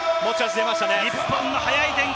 日本の速い展開。